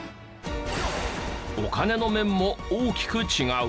お金の面も大きく違う。